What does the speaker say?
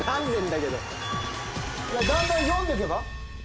だんだん読んでけば。